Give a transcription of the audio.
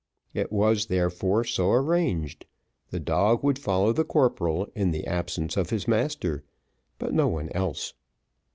It was therefore so arranged; the dog would follow the corporal in the absence of his master, but no one else.